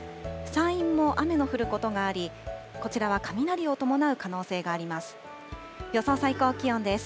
山陰も雨の降ることがあり、こちらは雷を伴う可能性があります。